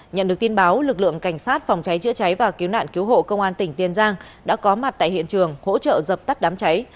nhận được tin báo lực lượng cảnh sát phòng cháy chữa cháy và cứu nạn cứu hộ công an tỉnh tiền giang đã có mặt tại hiện trường hỗ trợ dập tắt đám cháy